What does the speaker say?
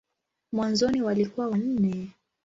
Mwanzoni walikuwa wanne.